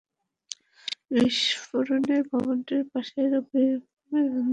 বিস্ফোরণে ভবনটির পাশের অভিজাত রন্ধনশিল্প শিক্ষাপ্রতিষ্ঠান ফেরান্দির কয়েকটি জানালার কাচও ভেঙে যায়।